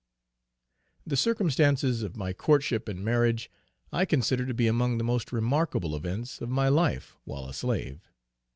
_ The circumstances of my courtship and marriage, I consider to be among the most remarkable events of my life while a slave.